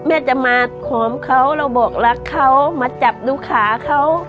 แม่จะมาหอมเขาเราบอกรักเขามาจับดูขาเขา